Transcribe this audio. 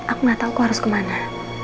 aku gak tau aku harus kemana